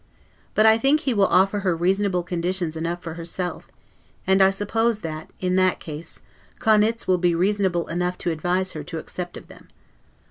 But I think he will offer her reasonable conditions enough for herself; and I suppose, that, in that case, Caunitz will be reasonable enough to advise her to accept of them.